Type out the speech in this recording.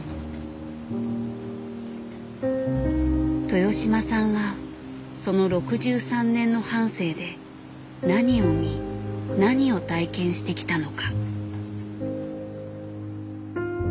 豊島さんはその６３年の半生で何を見何を体験してきたのか。